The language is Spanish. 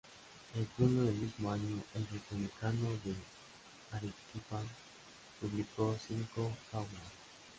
En junio del mismo año "El Republicano" de Arequipa publicó cinco fábulas.